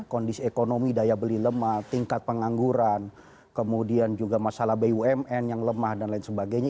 kondisi ekonomi daya beli lemah tingkat pengangguran kemudian juga masalah bumn yang lemah dan lain sebagainya